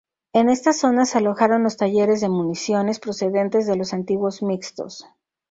En esta zona se alojaron los talleres de municiones procedentes de los antiguos "Mixtos".